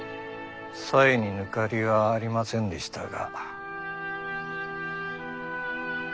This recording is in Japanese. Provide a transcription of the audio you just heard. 紗江に抜かりはありませんでしたが。